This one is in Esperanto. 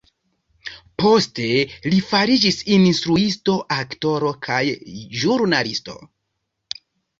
Poste li fariĝis instruisto, aktoro kaj ĵurnalisto.